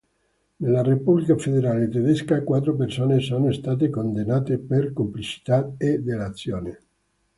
Nella Repubblica Federale Tedesca, quattro persone sono state condannate per complicità e delazione.